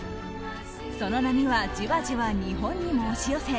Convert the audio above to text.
その波は、じわじわ日本にも押し寄せ